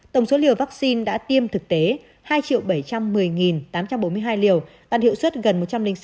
tổng số liều vaccine đã tiêm thực tế hai bảy trăm một mươi tám trăm bốn mươi hai liều tăng hiệu suất gần một trăm linh sáu